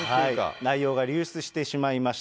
内容が流出してしまいました。